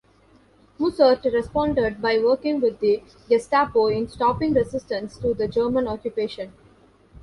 Mussert responded by working with the Gestapo in stopping resistance to the German occupation.